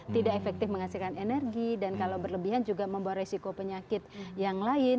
tidak efektif menghasilkan energi dan kalau berlebihan juga membawa resiko penyakit yang lain